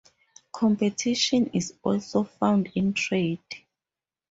Competition is also found in trade.